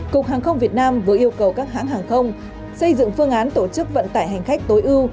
cục hàng không việt nam vừa yêu cầu các hãng hàng không xây dựng phương án tổ chức vận tải hành khách tối ưu